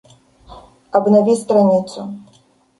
Обнови страницу